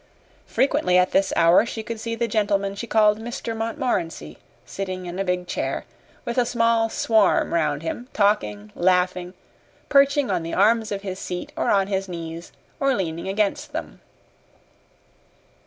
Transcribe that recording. Frequently at this hour she could see the gentleman she called Mr. Montmorency sitting in a big chair, with a small swarm round him, talking, laughing, perching on the arms of his seat or on his knees or leaning against them.